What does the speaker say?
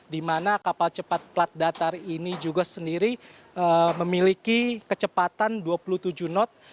di mana kapal cepat plat datar ini juga sendiri memiliki kecepatan dua puluh tujuh knot